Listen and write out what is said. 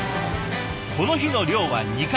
この日の漁は２回。